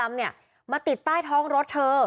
มาติดใต้ท้องรถเธอ